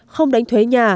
không đánh thuế nhà